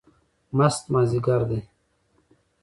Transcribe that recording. مست مازدیګر دی